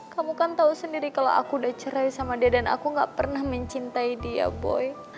kamu kan tahu sendiri kalau aku udah cerai sama dia dan aku gak pernah mencintai dia boy